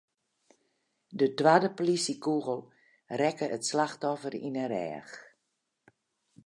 De twadde polysjekûgel rekke it slachtoffer yn 'e rêch.